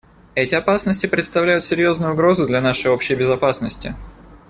Эти опасности представляют серьезную угрозу для нашей общей безопасности.